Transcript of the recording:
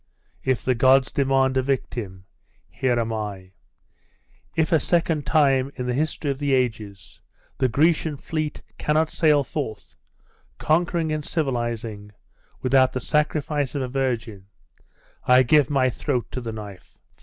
If the gods demand a victim, here am I. If a second time in the history of the ages the Grecian fleet cannot sail forth, conquering and civilising, without the sacrifice of a virgin, I give my throat to the knife.